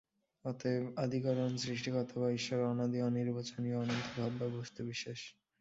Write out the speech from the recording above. অতএব আদিকরণ, সৃষ্টিকর্তা বা ঈশ্বরও অনাদি অনির্বচনীয় অনন্ত ভাব বা বস্তুবিশেষ।